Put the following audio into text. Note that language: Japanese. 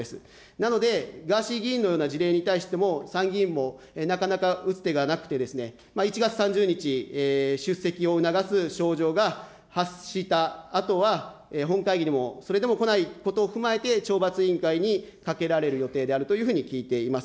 なので、ガーシー議員のような事例に対しても、参議院もなかなか打つ手がなくて、１月３０日、出席を促すしょうじょうが発したあとは、本会議にも、それでも来ないことを踏まえて懲罰委員会にかけられる予定であるというふうに聞いています。